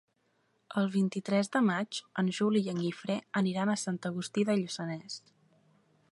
El vint-i-tres de maig en Juli i en Guifré aniran a Sant Agustí de Lluçanès.